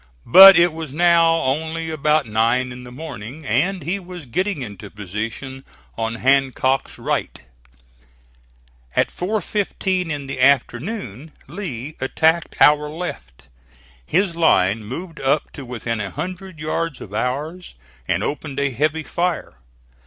But it was now only about nine in the morning, and he was getting into position on Hancock's right. At 4.15 in the afternoon Lee attacked our left. His line moved up to within a hundred yards of ours and opened a heavy fire.